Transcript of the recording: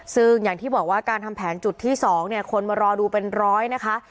ซึ่งอย่างที่บอกว่าการทำแผนจุดที่๒เนี่ยคนมารอดูเป็นร้อยนะคะ